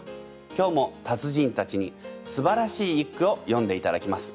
今日も達人たちにすばらしい一句をよんでいただきます。